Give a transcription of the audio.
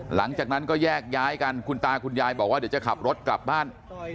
หลังจากนั้นก็แยกย้ายกันคุณตาคุณยายบอกว่าเดี๋ยวจะขับรถกลับบ้าน